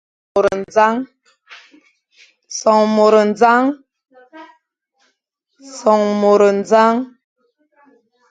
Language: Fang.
Son môr nẑañ.